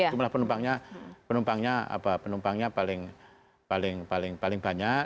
jumlah penumpangnya penumpangnya apa penumpangnya paling paling paling banyak